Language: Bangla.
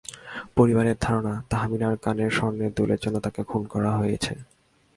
পরিবারের ধারণা, তাহমিনার কানের স্বর্ণের দুলের জন্য তাকে খুন করা হয়েছে।